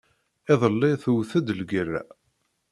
Iḍelli tewwet-d lgerra.